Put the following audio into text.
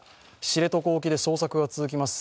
知床沖で捜索が続きます